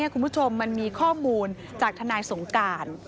คุณผู้ชมมันมีข้อมูลจากทนายสงการ